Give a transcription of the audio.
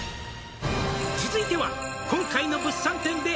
「続いては今回の物産展で」